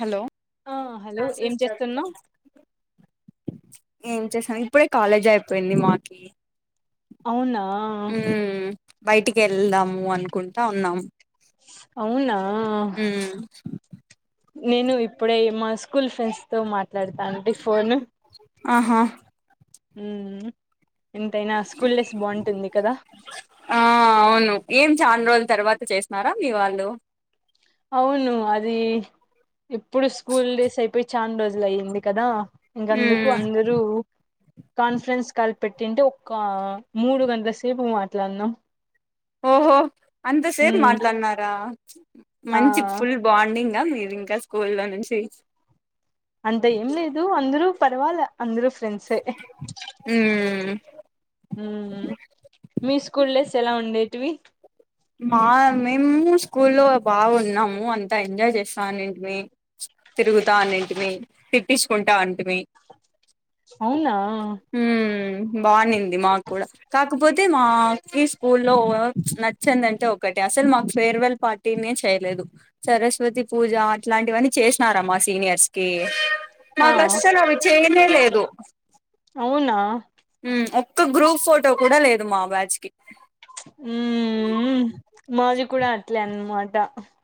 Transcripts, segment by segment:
Hello ఆ hello ఏం classes చేస్తున్నావ్ జరుగుతున్నా ఏం చేసాను ఇప్పుడే కాలేజ్ అయిపోయింది మాకి అవునా ఊ బయటికి వెళ్దాము అనుకుంటా ఉన్నాము అవునా నేను ఇప్పుడే మా స్కూల్ ఫ్రెండ్స్ తో మాట ట్లాడుతాంటి ఫోన్ ఆహా హ ఎంతైనా స్కూల్ డేస్ బాగుంటుంది కదా ఆ అవును ఏం చాలా రోజుల తర్వాత చేసినారా మీ వాళ్ళు అవును అది ఎప్పుడు స్కూల్ డేస్ అయిపోయి చనా రోజ అయిింది కదా ఇంకందుకు అందరూ కాన్ఫరెన్స్ కాల్ పెట్టింటే ఒక మూడు గంటల సేపు మాట్లాడునాం ఓహో అంత సేపు మాట్లాన్నారా ఆ మంచి ఫుల్ బాండింగ్ ఇకా మీరు ఇంకా స్కూ లో నుంచి అంత ఏం లేదు అందరూ పర్వాల అందరుూ ఫ్రెండ్స్ హ్మ్మ్ ఉ మీ స్కూల్ డేస్ ఎలా ఉండేటివి మా మేము స్కూ లో బాగున్నాము అంతా ఎంజాయ్ చేస్తా ఉనింటిమి తిరుగుతా ఉన్నింటిమి తిట్టించుకుంట ఉన్నింటిమి అవునా హ బాగా ఉన్నింది మాకు కూడా కాకపోతే మాకి స్కూల్లో చ్చందంటే ఒకటి అసలు మాకు ఫేర్వెల్ పార్టీనే చేయలేదు సరస్వతి పూజ అట్లాంటివన్నీ చేసినారామ్ మా సీనియర్స్ కి మా ఆ కష్టాలు అవి చేయనే లేదు అవునా ఒక గ్రూప్ ఫోటో కూడా లేదు మా బ్యాచ్్ కి ఉ మాది కూడా అట్లే అన్నమాట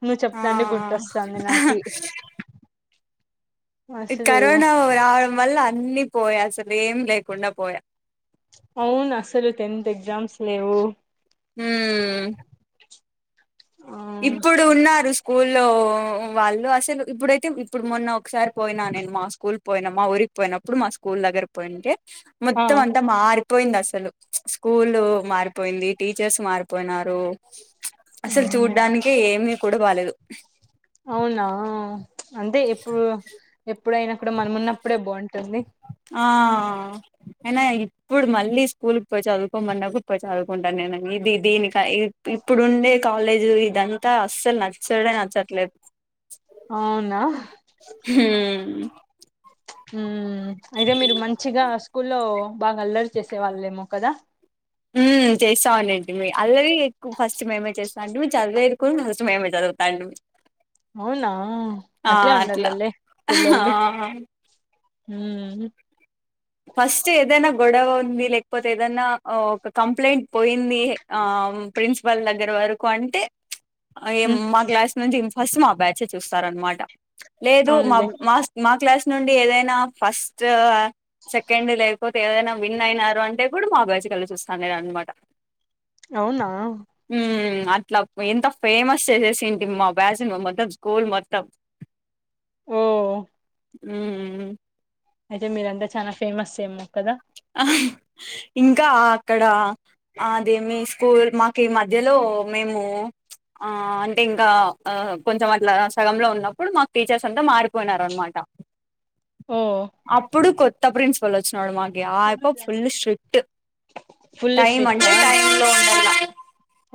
నువ్వు ఆ చెప్తాంటే గుర్తొస్తాంది నాకి అసలు కరోనా రావా మల్ల అన్ని పోయా అసలు ఏం లేకుండా పోయా అవును అసలు టెన్త్ ఎగ్జామ్స్ లేవు హ [unintelligible] ఇప్పుడు ఉన్నారు స్కూల్లో వాళ్ళు అసలు ఇప్పుడైతే ఇప్పుడు మొన్న ఒకసారి పోయిన నేను మా స్కూల్ పోయిన మా ఊరికి పోయినప్పుడు మా స్కూల్ దగ్గర పోయింటే మొత్తం అంతా మార్ పోయింది అసలు స్కూల్ మారిపోయింది టీచర్స్ మారిపోయినారు అసలు మ్మ్ చూడ్డానికే ఏమీ కూడా బాలేదు అవునా అంటే ఎప్పుడు ఎప్పుడైనా కూడా మనం ఉన్నప్పుడే బావుంటుంది ఆ అయినా ఇప్పుడు మళ్ళీ స్కూల్కి పోయి చదువుకోమన్నాకు పోయి చదువుకుంటాను నేను ఇది దీని ఇప్పుడుండే కాలేజీ ఇదంతా అసలు నచ్చడే నచ్చట్లేదు అవునా హ్మ్ ప్చ్ మ్మ్ అయితే మీరు మంచిగా స్కూల్లో బాగా అల్లరి చేసే వాళ్ళేమో కదా హ్మ్ చేస్తావున్నింటిమి అల్లరి ఎక్కువ ఫస్ట్ మేమే చేస్తాంటిమి చదివేది కూడా ఫస్ట్ మేమే చదువుతాంటిమి అవునా ఆ! అట్లే అట్లా. ఉండల్లలే ఆ! పిల్లొలు హ్మ్ ఫస్ట్ ఏదైనా గొడవ ఉంది లేకపోతే ఏదైనా ఒక కంప్లైంట్ పోయింది ఆ ప్రిన్సిపాల్ దగ్గర వరకు అంటే ప్చ్. అ ఏం మ్మ్ మా క్లాస్ నుంచి ఫస్ట్ మా బ్యాచే చూస్తారు అనమాట లేదు మా అవునులే మార్స్ మాక్ క్లాస్ నుండి ఏదైనా ఫస్ట్ సెకండ్ లేకపోతే ఏదైనా విన్ అయినారు అంటే కూడా మా బ్యాచ్ కల్సొస్తుందనేది అన్మాట అవునా అట్లా ఎంత ఫేమస్ చేసేసింటిం మా బ్యాచ్ ని మొత్తం స్కూల్ మొత్తం ఓ మ్మ్ అయితే మీరంతా చానా ఫేమస్ ఏమ్మో కదా అహ్ ఇంకా అక్కడ అదేమి స్కూల్ మాకు ఈ మధ్యలో మేము ప్చ్ ఆ అంటే ఇంకా కొంచం అట్లా సగంలో ఉన్నప్పుడు మాకు టీచర్స్ అంతా మారిపోయినారు అనమాట. ఓ అప్పుడు కొత్ త్త ప్రిన్సిపల్ వచ్చినోడు మాక్ యాప్ప ఫుల్ స్ట్రిక్ట్ ఫుల్ టైం అంటే స్ట్రిక్టా టైమ్ లో ఉండాల.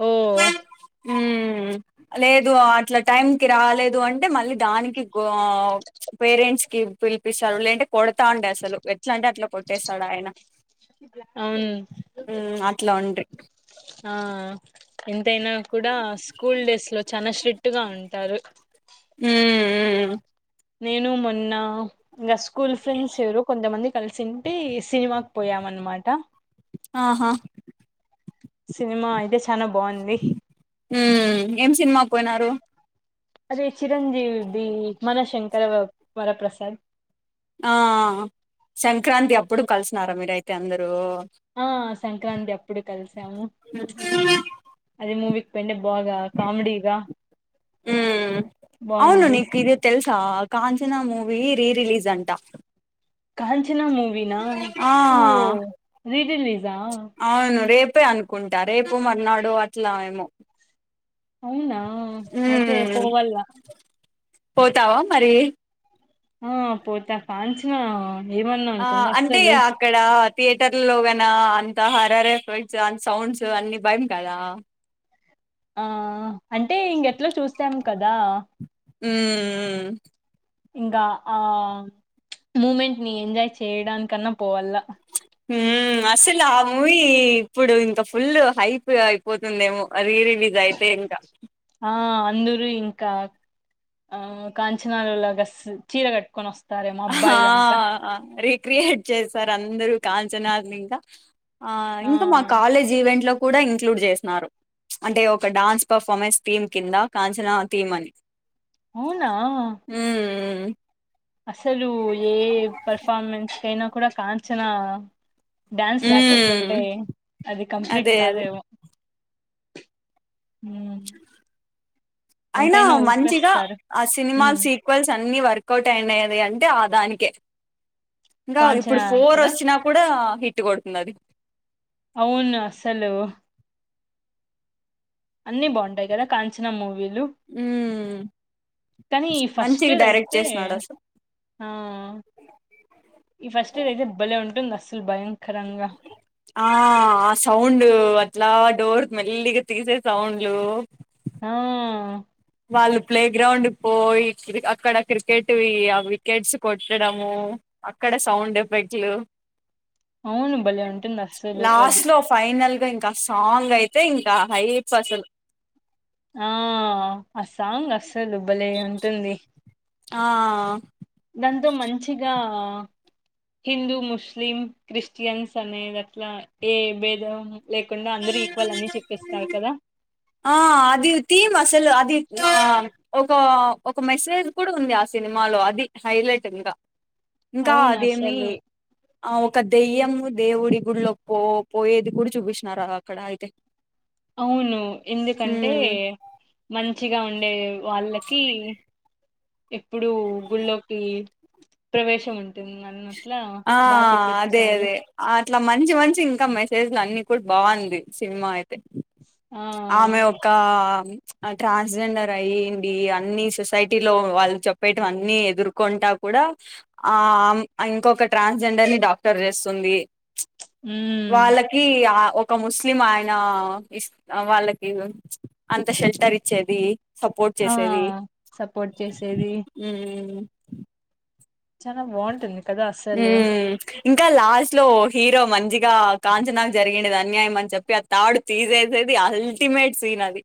ఓ హమ్ లేదు అట్లా టైం కి రాలేదు అంటే మళ్ళీ దానికి గో పేరెంట్స్ కి పిలిపిస్తారు లేదంటే కొడతాండే అసలు ఎట్ల అంటే పెట్టేేశాడు ఆయన అవును హుమ్ అట్ల ఉండ్రీ ఆ ఎంతైనా కూడా స్కూల్ డేస్ లో చాలా స్ట్రిక్ట్ గా ఉన్ టరు హుమ్ ఉ ఉ నేను మొన్న ఇంగ స్కూల్ ఫ్రెండ్స్ ఎవరు కొందమంది కలిసింటే. సినిమాక్ పోయామన్మాట ఆహా సినిమా అయితే చ్ చానా బాంది ఉ ఏం సినిమాక్ పోయినారు అదే చిరంజీవిది మనశంకర వ వరప్రసాద్ ఆ సంక్రాంతి అప్పుడు కలుస్ న్నార మీరైతే అందరూ ఆ స్ సంక్రాంతి అప్పుడు కలిస్ సము అదే మావిక్పోయింటే బాగా కమెడిగా ఊ అవును నీక్ ఇది తెల్సా Kanchana movie re release అంటా కాంచ్ చనా మూవినా ఓ రీ రిలీజా ప్పే అనుకుంటా రేపు మనాడు అట్లా ఏమో అవునా అయితే పోవాల్ల మ్మ్ పోతావా మరి ఆ పోత కంచనా ఆ అంటే అక్కడ థియేటర్లోగన అన్ త హరర్ ఎఫెక్ట్స్ అడ్ సౌండ్స్ అన్ని భయం కదా ఆ అంటే ఇంగెట్లా చూశాం కదా ఉ ఇంగా ఆ మూమెంట్ ని ఎంజాయ్ చేయడానికన్నా పోవాలా ఊ అసలు ఆ మూవీ ఇప్పుడు ఇంత ఫుల్ హైప్ అయిపోతుందేమో. రీ రిలీజ్ అయితే ఇంకా ఆ అందరు ఇంకా ఆ కాంచనాలో లాగా స్ చీర కట్టుకొనో స్ ఆ రే క్రియేట్ చేస్సరందరూ కాంచనా లింకా ఆ ఇంకా మా కాలేజ్ ఈవెంట్లో కూడా ఇంక్లూడ్ జేస్నారు అంటే ఒక డాన్స్ పర్ఫార్మెన్స్ థీమ్ కింద కాంచన థీమ్ అని అవునా ఉ అసలు ఏ పెర్ఫార్మెన్స్ కైనా కూడా కాంచనా డ్యాన్స్ ఉమ్ లేకుకుంటే అది కంప్లీట్ అదే అదే కాదేమో. ఉహ్మ్ అయినా మంచిగా ఆ సినిమా ఉమ్ సీక్వెల్స్ అన్ని వర్ వర్కౌట్ అయినాయి అంటే ఆ దానికే ఇంకా ఇప్పుడు కాంచనా ఫోర్ కదా వచ్చినా కూడా హిట్ కొడుతుంది అది. అవున్ర అసలు అన్నిీ బాగుంటాయి కదా కాంచన మూవీల్ లు ఉమ్ కానీ ఈ ఫస్ట్ మంచిగా డైరెక్ట్ అయితే చేసినాడు అసలు ఆహ్ ఈ ఫస్ట్ అయితే భలే ఉంటుంద్. అస్సల్ అసలు భయంకరంగా ఆ ఆ సౌండ్ అట్లా డోర్ మెల్లిగా తీసే సౌండ్ లు ఆహ్ వాళ్ళు ప్లే గ్రౌండ్ పోయి. అక్కడ క్రికెట్ ఆ వికెట్స్ కొట్టడము అక్కడ సౌండ్ ఎఫెక్ట్లు. అవును భలే ఉంటుంది. అస్సలు లాస్ట్ అది లో ఫైనల్ గా ఇంకా సాంగ్ అయితే ఇంకా హైప్ అసలు ఆ ఆ సాంగ్ అస్సలు భలే ఉంటుంది. ఆహ్ దాంతో మంచిగా హిందూ, ముస్లిం, క్రిస్టియన్స్ అనేవి అట్లా ఏ భేదం. లేకుండా అందరుూ ఈక్వల్ అని చూపిస్తారు కదా. ఆ అది థీమ్ అసలు అది ఒక ఒక మెసేజ్ కూడా ఉంది. ఆ సినిమాలో అది హైలైటు ఇంకా. ఇంకా అవును అదేమి అసలు ఆ ఒక దెయ్యము, దేవుడి గుడిలో పో పోయేది. కూడా చూపిస్తునారా అక్కడ అయితే. అవును ఎందుకంటే హ్మ్ మంచ్ మంచిగా ఉండే వాళ్ళకి ఎప్పుడుూ గుళ్ళోకి ప్రవేశం ఉంట్ టుందనట్లా బాగా చూపించారు. ఇట్లా మంచి మంచి ఇంకా మెసేజ్లు అన్ని కూడా బాగుంది. సినిమా అయితే తే ఆ ఆమె ఒక ఆ ట్రాన్స్ జెండర్ అయ్యంది. అన్నిీ సొసైటీలో వాళ్ళు చెప్పేయటం అన్నిీ ఎదుర్కొంటా కూడా ఆహ్ ఇంకొక ట్రాన్స్ జెండర్ ని డాక్టర్ చేస్తుంది. ఉమ్ వాళ్ళకి ఆహ్ ఒక ముస్లిం ఆయన ఇస్ వాళ్ళకి అంత షెల్టర్ ఇచ్చేది. సపోర్ట్ ఆ చేసేది. సపోర్ట్ చేసేది చాల బాగుంటుంది కదా అస్సలు మ్మ్ ఇంకా లాస్ట్ లో హీరో మంచిగా కాంచనాకు జరిగంది అన్యాయం అని చెప్పి. ఆ తడు తీసేసేది అల్టిమేట్ సీన్ అది.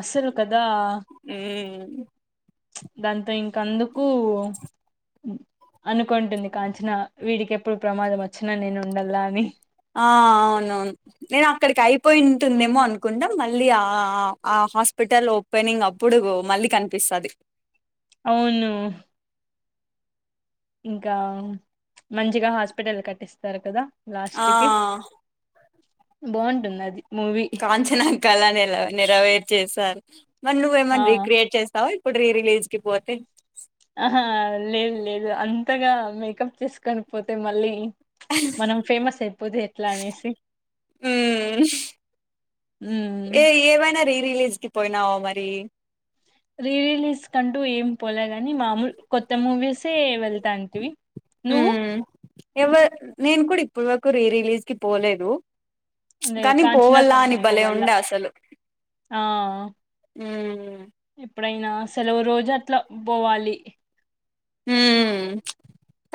అసలు కదా. మ్మ్ దాంతో ఇంకా ఇంకందుకు అనుకొంటుంది కాంచనా వీడికి ఎప్పుడు ప్రమాదం వచ్చినా నేను ఉండలా అని ఆ అవునవును నేను అక్కడికి అయిపోయింది టుందేమో అనుకుంటం మళ్ళీ ఆ ఆ హాస్పిటల్ ఓపెనింగ్ అప్పుడుగు మళ్ళీ కనిపిస్తుంది అవును ఇంకా మంచిగా హాస్పిటల్ కట్టిస్తారు కదా లాస్ట్ ఆ కి బావుంటుంది అది మూవీ కాంచనా కల నెల నెరవేర్చేసారు మరి ఆ నువ్వేమన్న రీక్రియేట్ చేస్తావ ఇప్పుడు రీరిలీజ్ కి పోతే అ ఆ లేదు లేదు అం అంతగా మేకప్ చేసుకొని పోతే మళ్ళీ మనం ఫేమస్ అయిపోతే ఎట్లా అనేసి మ్మ్ హుమ్ ఏ ఏమైనా రీ రిలీజ్ కి పోయినావా మరి రీ రిలీజ్ కంటూ ఏం పోలే గాని మామూలు కొత్త మూవీసే వెళ్తాంటిమి నువ్వు ఎవర్ నేను కూడా ఇప్పటి వరకు రీరిలీజ్ కి పోలేదు మే కానీ పోవల్లా కాంచనాకన్నా అని భలే పోవాల్ల ఉండే అసలు ఆ ఉమ్ ఎప్పుడైనా సెలవు రోజు అట్లా బోవాలి హ్మ్ ప్చ్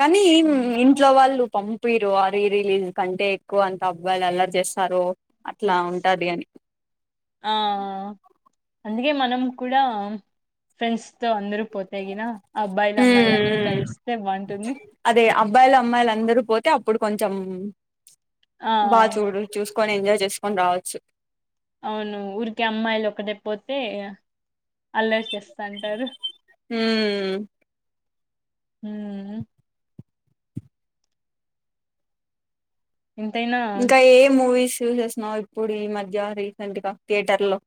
కానీ మ్ ఇంట్లో వాళ్ళు పంపిరు ఆ రీరిలీజ్ కంటే ఎక్కువ అంత అబ్బాయిలు అల్లరి చేస్తారు అట్లా ఉంటాది అని. ఆహ్ అందుకే మనం కూడా ఫ్రెండ్స్ తో అందరు పోతేగిన అబ్బాయిలు అమ్మాయిలు అందరూ మ్మ్ కలిస్తే బాంటుంది బ్బాయిలు అమ్మాయిలు అందరూ పోతే అప్పుడు కొంచెం ప్చ్ ఆ బా చూడ చూస్త కొని ఎంజాయ్ చేసుకొని రావచ్చు అవును ఊరికే అమ్మాయిలు ఒకటె పోతే అల్లరి చేస్తాంటారు హ్మ్ హ్మ్ ఎంతైనా ఇంకా ఏ మూవీస్ చూసేస్తున్నావ్ ఇప్పుడు ఈ మధ్య రీసెంట్ గా థియేటర్ లో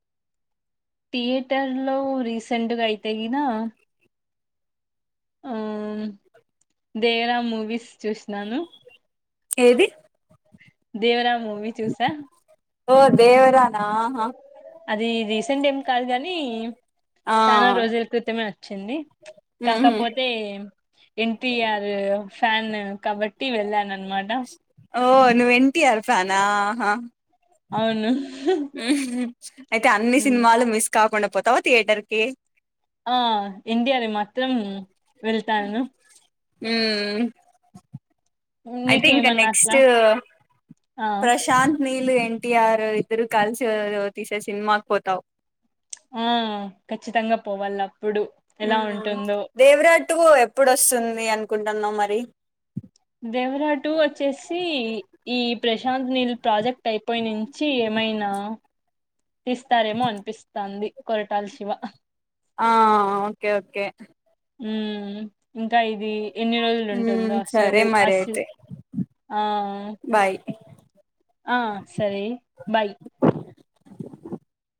థియేటర్ లో రీసెంట్గా అయితే గీనా ఆ దేవరా మూవీస్ చూసినాను ఏది దేవరా మూవి చూసా ఓ దేవరా నా ఆహా అది రీసెంట్ ఏం కాదు గాని ఆ చాలా రోజుల క్రితమే వచ్చింది ఉహు కాకపోతే ఎన్టీఆర్ ఫాన్ కాబట్టి వెళ్ళాను అనమాట ఓ నువ్వు ఎన్టీఆర్ ఫాన్ ఆ ఆహా అవును ఉహూ క్ష అయితే అన్ని సినిమాలు మిస్ కాకుండ పోతావ థియేటర్ కి ఆ ఇండియాది మాత్రం వెళ్తాను ఉమ్ ఐథింక్ నీకేమన్నా అట్లా నెక్స్ట్ ఆ ప్రశాంత్ అనీల్ ఎన్టీఆర్ ఇద్దరు కలిసి తీసే సినిమాకి పోతావ్ ఆ ఖచ్చితంగా పోవల్ల ఉమ్ దేవరాజ్ టు ఎప్పుడోస్తుంది అనుకుంటున్నావ్ మరి దేవర టు వచ్చేసి ఈ ప్రశాంత్ నీల్ ప్రాజెక్ట్ అయిపోయి నుంచి ఏమైనా తీస్తారేమో అనిపిస్తాంది కొరటాల శివ ఆ ఓకే ఓకే ఉమ్ ఇంకా ఇది ఎన్ని రోజులు ఉంటుందో ఉమ్, సరే అసలు మరి అసల్ అయితే ఆ బాయ్ ఆ సరే బాయ్ గ